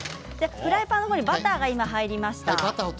フライパンにバターが入りました。